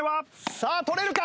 さあ捕れるか！？